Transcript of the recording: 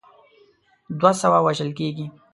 دوه سوه وژل کیږي.